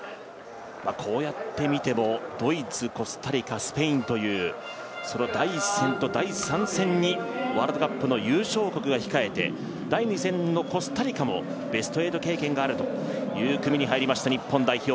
こうやって見ても、ドイツ、コスタリカ、スペインというその第１戦と第３戦にワールドカップの優勝国が控えて第２戦のコスタリカもベスト８経験があるという組に入りました日本代表。